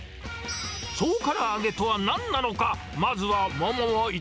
そうからあげとはなんなのか。